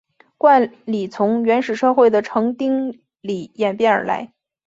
冠礼从原始社会的成丁礼演变而来。